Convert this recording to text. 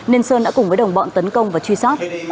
nên sơn đã cùng với đồng bọn tấn công và truy sát